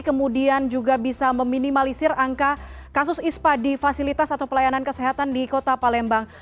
kemudian juga bisa meminimalisir angka kasus ispa di fasilitas atau pelayanan kesehatan di kota palembang